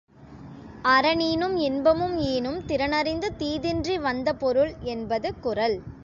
அறனீனும் இன்பமும் ஈனும் திறனறிந்து தீதின்றி வந்த பொருள் என்பது குறள்.